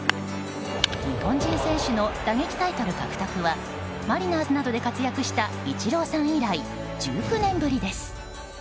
日本人選手の打撃タイトル獲得はマリナーズなどで活躍したイチローさん以来１９年ぶりです。